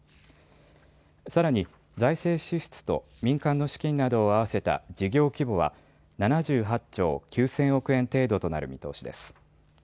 さらに財政支出と民間の資金などを合わせた事業規模は７８兆９０００億円程度となる見通しです。